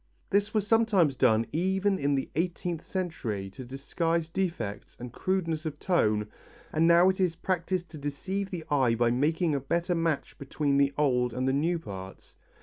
This was sometimes done even in the eighteenth century to disguise defects and crudeness of tone and now it is practised to deceive the eye by making a better match between the old and the new parts.